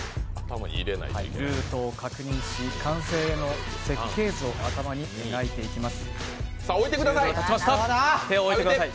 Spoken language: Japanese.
ルートを確認し、完成への設計図を頭に描いていきます。